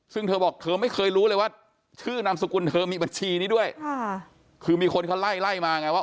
ซึ่งเธอบอกเธอไม่เคยรู้เลยว่าชื่อนามสกุลเธอมีบัญชีนี้ด้วยค่ะคือมีคนเขาไล่ไล่มาไงว่า